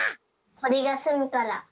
とりがすむから。